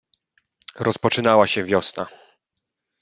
"Rozpoczynała się wiosna."